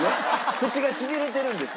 口がしびれてるんですね。